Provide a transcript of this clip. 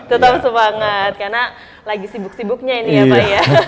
tetap semangat karena lagi sibuk sibuknya ini ya pak ya